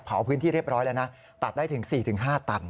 พื้นที่เรียบร้อยแล้วนะตัดได้ถึง๔๕ตัน